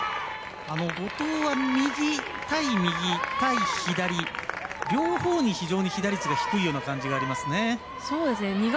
後藤は対右、対左両方に非常に被打率が低い感じがありますね。